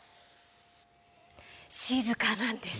静かなんです。